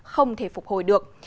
không thể phục hồi được